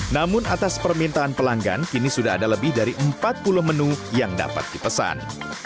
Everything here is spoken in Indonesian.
namun atas permintaan pelanggan kini sudah ada lebih dari empat puluh menu yang dapat dipesan